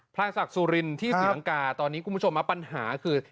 พลายสักสุรินทร์ที่สุริยังกาตอนนี้คุณผู้ชมมีปัญหาคือ